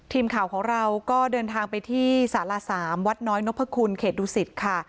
ทีมข่าวของเราก็เดินทางไปที่สาร๓วัดน้อยนพคุณเขตดุสิตค่ะ